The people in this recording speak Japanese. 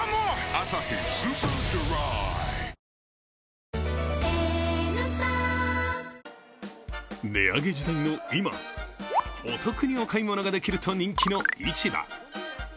「アサヒスーパードライ」値上げ時代の今、お得にお買い物ができると人気の市場。